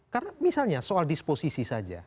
karena misalnya soal disposisi saja